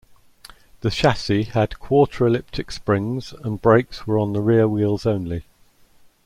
The chassis had quarter elliptic springs and brakes were on the rear wheels only.